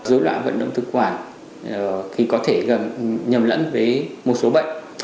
dối loạn vận động thực quản thì có thể nhầm lẫn với một số bệnh